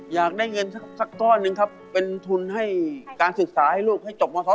อยากได้เงินสักก้อนหนึ่งครับเป็นทุนให้การศึกษาให้ลูกให้จบม๒